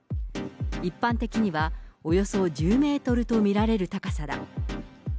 一般的にはおよそ１０メートルと見られる高さだ。